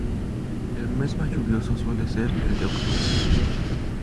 El mes más lluvioso suele ser el de octubre.